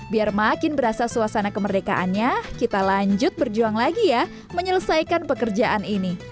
biar makin berasa suasana kemerdekaannya kita lanjut berjuang lagi ya menyelesaikan pekerjaan ini